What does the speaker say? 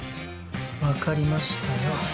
分かりましたよ